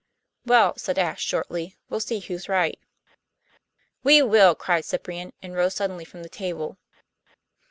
"Well," said Ashe shortly, "we'll see who's right." "We will," cried Cyprian, and rose suddenly from the table.